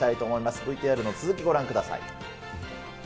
ＶＴＲの続き、ご覧ください。